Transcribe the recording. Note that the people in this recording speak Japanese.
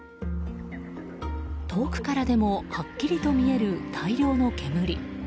遠くからでもはっきりと見える大量の煙。